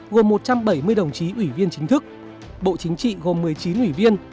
gồm một trăm bảy mươi đồng chí ủy viên chính thức bộ chính trị gồm một mươi chín ủy viên